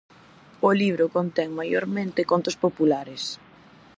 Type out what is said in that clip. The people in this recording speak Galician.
O libro contén maiormente contos populares.